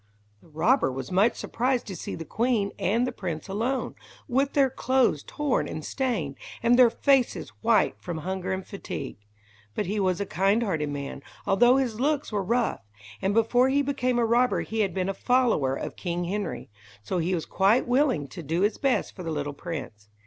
The robber was much surprised to see the queen and the prince alone, with their clothes torn and stained, and their faces white from hunger and fatigue. But he was a kindhearted man, although his looks were rough, and before he became a robber he had been a follower of King Henry, so he was quite willing to do his best for the little prince.